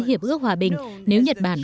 hiệp ước hòa bình nếu nhật bản